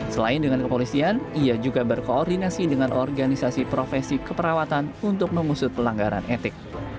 selain dengan kepolisian ia juga berkoordinasi dengan organisasi profesi keperawatan untuk mengusut pelanggaran etik